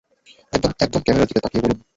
একদম ক্যামেরার দিকে তাকিয়ে বলুন!